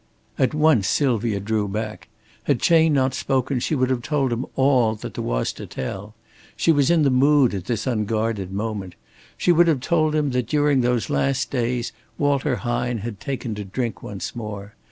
At once Sylvia drew back. Had Chayne not spoken, she would have told him all that there was to tell. She was in the mood at this unguarded moment. She would have told him that during these last days Walter Hine had taken to drink once more.